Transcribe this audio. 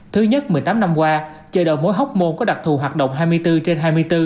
thứ nhất một mươi tám năm qua chợ đầu mối hóc môn có đặc thù hoạt động hai mươi bốn trên hai mươi bốn